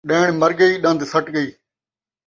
ݙیݨ مر ڳئی ، ݙن٘د سٹ ڳئی